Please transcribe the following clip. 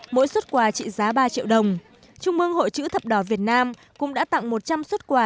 mỗi xuất quà trị giá ba triệu đồng trung mương hội chữ thập đỏ việt nam cũng đã tặng một trăm linh xuất quà